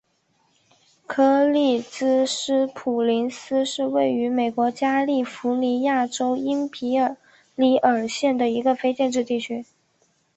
柯立芝斯普林斯是位于美国加利福尼亚州因皮里尔县的一个非建制地区。